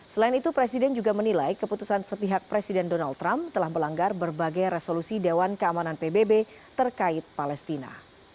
selain itu presiden juga menilai keputusan sepihak presiden donald trump telah melanggar berbagai resolusi dewan keamanan pbb terkait palestina